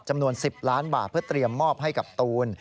จำนวน๑๐ล้านบาทเพื่อเตรียมมอบให้กับตูน